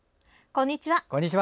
こんにちは。